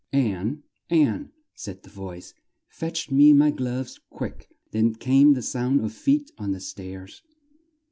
"Ann! Ann!" said the voice, "fetch me my gloves, quick!" Then came the sound of feet on the stairs.